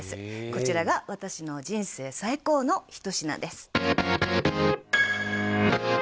こちらが私の人生最高の一品です